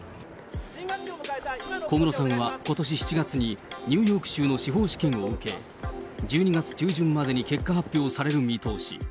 小室さんはことし７月にニューヨーク州の司法試験を受け、１２月中旬までに結果発表される見通し。